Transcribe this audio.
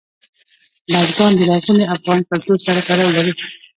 بزګان د لرغوني افغان کلتور سره تړاو لري.